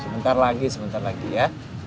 sebentar lagi sebentar lagi ya